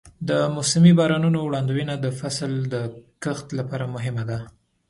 د موسمي بارانونو وړاندوینه د فصل د کښت لپاره مهمه ده.